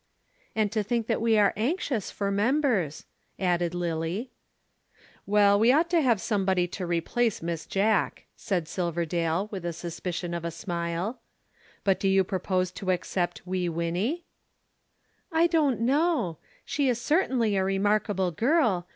"And to think that we are anxious for members," added Lillie. "Well, we ought to have somebody to replace Miss Jack," said Silverdale, with a suspicion of a smile. "But do you propose to accept Wee Winnie?" "I don't know she is certainly a remarkable girl.